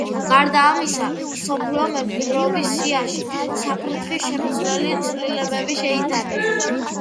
გარდა ამისა, მსოფლიო მემკვიდრეობის სიაში საფრთხის შემცველი ცვლილებები შეიტანეს.